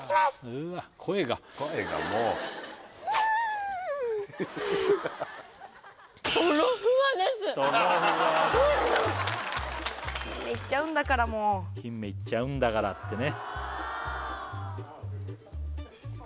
うわっ声が声がもういっちゃうんだからもう金目いっちゃうんだからってね